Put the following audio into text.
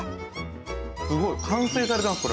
すごい完成されてます